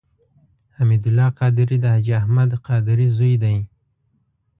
حمید الله قادري د حاجي احمد قادري زوی دی.